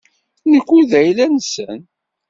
Nekk ur d ayla-nsen.